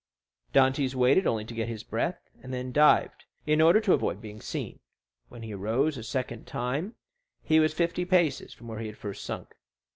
Dantès waited only to get breath, and then dived, in order to avoid being seen. When he arose a second time, he was fifty paces from where he had first sunk.